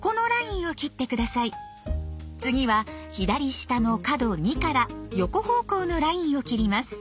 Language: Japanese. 次は左下の角２から横方向のラインを切ります。